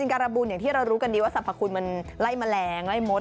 การบุญอย่างที่เรารู้กันดีว่าสรรพคุณมันไล่แมลงไล่มด